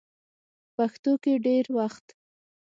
په پښتو کې ډېر وخت